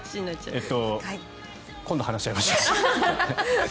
今度、話し合いましょう。